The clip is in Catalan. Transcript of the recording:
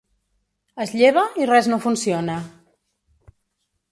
Es lleva i res no funciona.